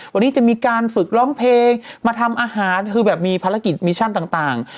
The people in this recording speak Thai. วันนี้จะมีการฝึกร้องเพลงมาทำอาหารคือแบบมีภารกิจมิชชั่นต่าง